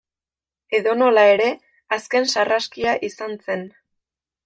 Edonola ere, azken sarraskia izan zen.